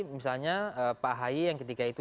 misalnya pak ahy yang ketika itu